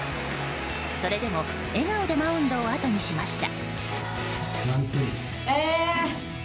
それでも笑顔でマウンドをあとにしました。